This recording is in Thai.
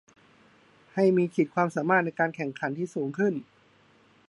ให้มีขีดความสามารถในการแข่งขันที่สูงขึ้น